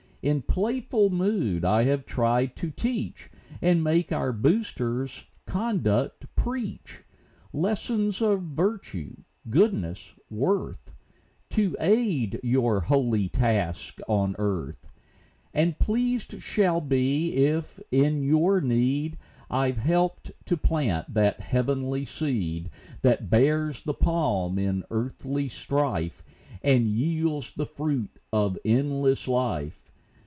In playful mood I have tried to teach, And make our Booster's conduct preach, Lessons of virtue, goodness, worth, To aid your holy task on earth; And pleased shall be, if, in your need, I've helped to plant that heavenly seed, That bears the palm in earthly strife, And yields the fruit of endless life.